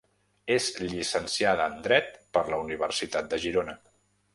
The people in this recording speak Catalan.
És llicenciada en dret per la Universitat de Girona.